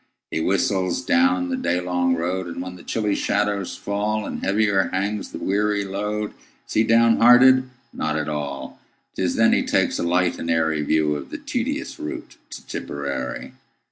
He whistles down the day long road, And, when the chilly shadows fallAnd heavier hangs the weary load, Is he down hearted? Not at all.'T is then he takes a light and airyView of the tedious route to Tipperary.